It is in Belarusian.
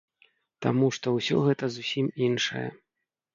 Таму што ўсё гэта зусім іншае.